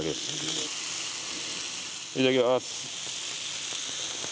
いただきます！